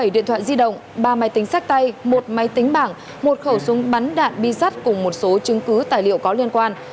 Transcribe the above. một mươi điện thoại di động ba máy tính sách tay một máy tính bảng một khẩu súng bắn đạn bi sắt cùng một số chứng cứ tài liệu có liên quan